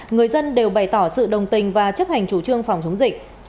người dân đều bày tỏ sự đồng tình và chấp hành chủ trương phòng chống dịch